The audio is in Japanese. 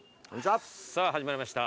さぁ始まりました。